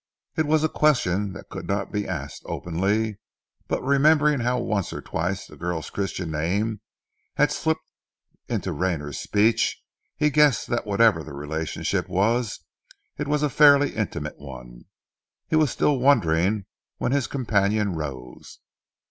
It was a question that could not be asked openly, but remembering how once or twice the girl's Christian name had slipped into Rayner's speech he guessed that whatever the relationship was, it was a fairly intimate one. He was still wondering when his companion rose.